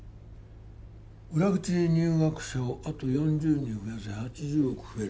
裏口入学者をあと４０人増やせ８０億増える